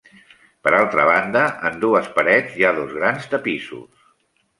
Per altra banda, en dues parets hi ha dos grans tapissos.